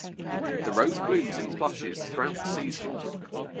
The rose blooms in flushes throughout the season.